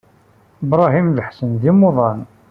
Bṛahim d aḥsen d imuḍan.